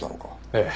ええ。